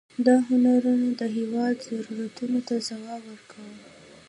دا هنرونه د هېواد ضرورتونو ته ځواب ورکاوه.